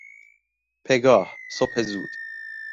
پگاه، صبح زود